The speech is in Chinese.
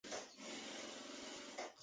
在全世界各地都有举办。